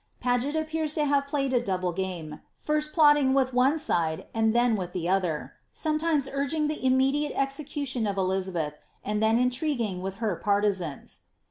Paget appeara ID have p^yed • double game, first plotting with one side and then with the other ; yometimea urging the iininediale execution of Elizabeth, and ikn intriguing with her partisans.